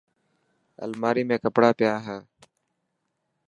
الماري ۾ ڪپڙا پيا هي.